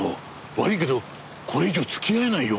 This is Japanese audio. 悪いけどこれ以上付き合えないよ。